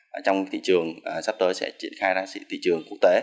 và trong thị trường sắp tới sẽ triển khai ra thị trường quốc tế